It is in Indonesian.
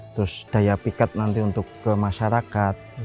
terus daya pikat nanti untuk kemasyarakat